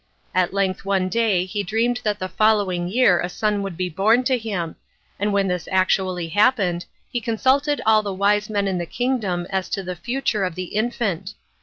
"At length one day he dreamed that the following year a son would be born to him, and when this actually happened, he consulted all the wise men in the kingdom as to the future of the infant.